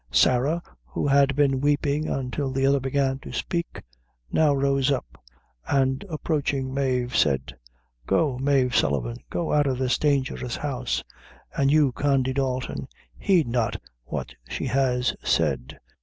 Sarah, who had been weeping until the other began to speak, now rose up, and approaching Mave, said "Go, Mave Sullivan go out of this dangerous house; and you, Condy Dalton, heed not what she has said.